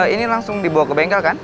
ini langsung dibawa ke bengkel kan